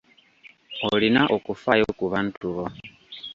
Olina okufaayo ku bantu bo.